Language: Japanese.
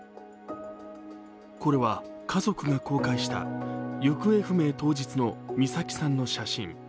これは家族が公開した行方不明当日の美咲さんの写真。